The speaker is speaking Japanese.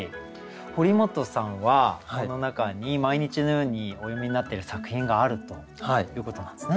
堀本さんはこの中に毎日のようにお読みになっている作品があるということなんですね。